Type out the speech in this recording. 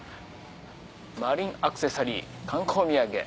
「マリンアクセサリー観光みやげ」。